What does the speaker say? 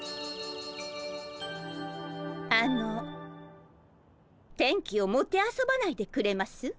あの天気をもてあそばないでくれます？